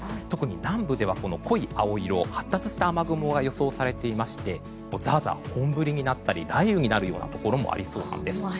特に南部では濃い青色発達した雨雲が予想されていましてザーザーと本降りになったり雷雨になるようなところもありそうなんです。